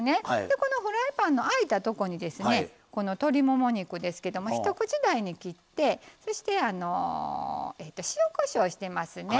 このフライパンのあいたとこに鶏もも肉ですけども一口大に切ってそして、塩こしょうをしてますね。